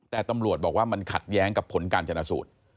แต่ตำรวจบอกว่ามันขัดแย้งกับผลการชนะสูตร